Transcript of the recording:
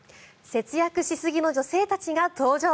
節約しすぎの女性たちが登場。